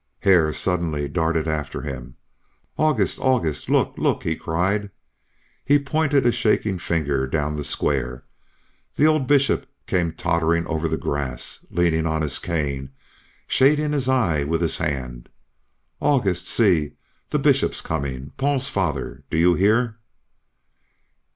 Hare suddenly darted after him. "August! August! look! look!" he cried. He pointed a shaking finger down the square. The old Bishop came tottering over the grass, leaning on his cane, shading his eyes with his hand. "August. See, the Bishop's coming. Paul's father! Do you hear?"